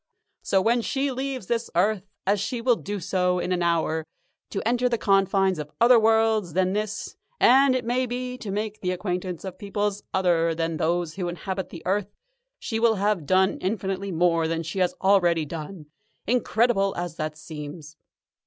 So when she leaves this earth, as she will do in an hour or so, to enter the confines of other worlds than this and, it may be, to make the acquaintance of peoples other than those who inhabit the earth she will have done infinitely more than she has already done, incredible as that seems.